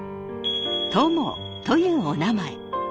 というおなまえ。